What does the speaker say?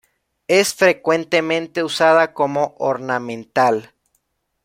Es frecuentemente usada como ornamental.